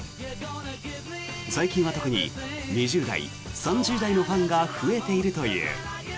最近は特に２０代、３０代のファンが増えているという。